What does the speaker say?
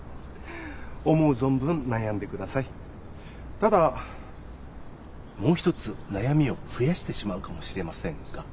ただもう一つ悩みを増やしてしまうかもしれませんが。